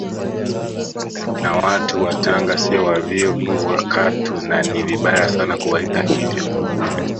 Na watu wa Tanga sio wavivu katu na ni vibaya sana kuwaita hivyo